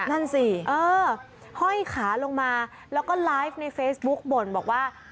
นั่นสิเออห้อยขาลงมาแล้วก็ไลฟ์ในเฟซบุ๊กบ่นบอกว่า